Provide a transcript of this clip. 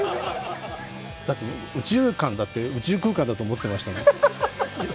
だって右中間だって、宇宙空間だと思ってましたもん。